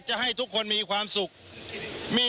ชูเว็ดตีแสดหน้า